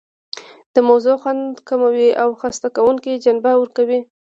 د موضوع خوند کموي او خسته کوونکې جنبه ورکوي.